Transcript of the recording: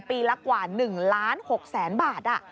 ปีละกว่า๑ล้าน๖แสนบาท